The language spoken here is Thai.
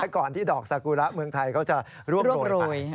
ก่อนที่ดอกสากุระเมืองไทยเขาจะร่วงโรยไป